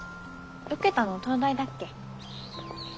受けたの東大だっけ？